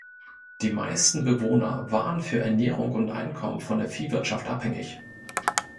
Die meisten Bewohner waren für Ernährung und Einkommen von der Viehwirtschaft abhängig.